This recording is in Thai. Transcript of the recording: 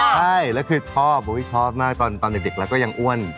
ใช่และคือชอบวิชชอบมากตอนเด็กเพิ่งเด็กแล้วก็ยังอ้วน